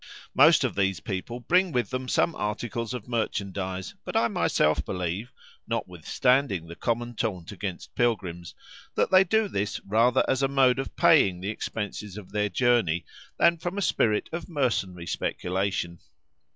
Most of these people bring with them some articles of merchandise, but I myself believe (notwithstanding the common taunt against pilgrims) that they do this rather as a mode of paying the expenses of their journey, than from a spirit of mercenary speculation.